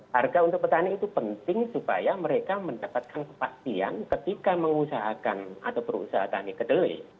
harga untuk petani itu penting supaya mereka mendapatkan kepastian ketika mengusahakan atau berusaha tani kedelai